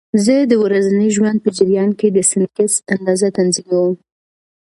زه د ورځني ژوند په جریان کې د سنکس اندازه تنظیموم.